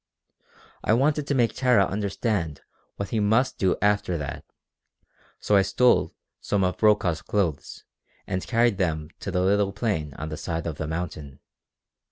"I wanted to make Tara understand what he must do after that, so I stole some of Brokaw's clothes and carried them up to a little plain on the side of the mountain.